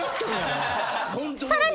［さらに］